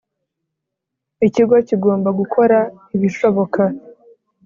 ikigo kigomba gukora ibishoboka.